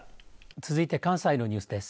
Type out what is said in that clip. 続いて関西のニュースです。